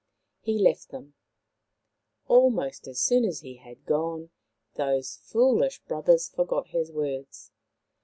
He left them. Almost as soon as he had gone those foolish brothers forgot his words.